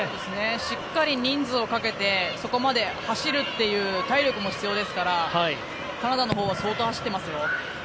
しっかり人数をかけてそこまで走るという体力も必要ですからカナダのほうは相当走ってますよ。